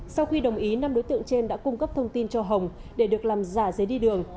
sau khi đồng ý năm đối tượng trên đã cung cấp thông tin cho hồng để được làm giả giấy đi đường